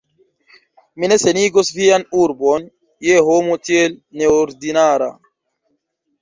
mi ne senigos vian urbon je homo tiel neordinara.